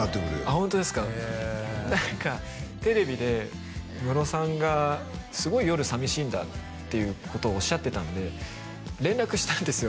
ホントですかなんかテレビでムロさんがすごい夜寂しいんだっていうことをおっしゃってたんで連絡したんですよ